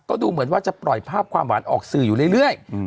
ก็ดูเหมือนว่าจะปล่อยภาพความหวานออกสื่ออยู่เรื่อย